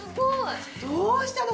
どうしたの？